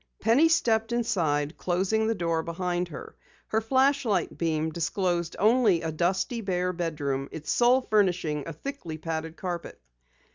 Penny stepped inside, closing the door behind her. Her flashlight beam disclosed only a dusty, bare bedroom, its sole furnishing a thickly padded carpet.